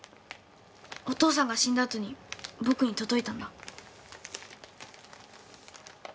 お父さんが死んだあとに僕に届いたんだ。